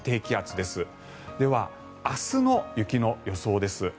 では、明日の雪の予想です。